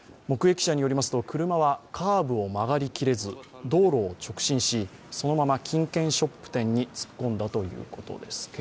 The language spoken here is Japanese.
目撃者によりますと車はカーブを曲がりきれず道路を直進し、そのまま金券ショップ店に突っ込んだということです。